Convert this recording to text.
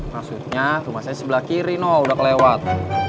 maksudnya rumah saya sebelah kiri udah kelewat